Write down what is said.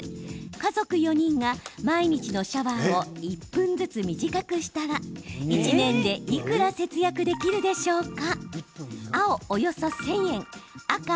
家族４人が毎日のシャワーを１分ずつ短くしたら、１年でいくら節約できるでしょうか？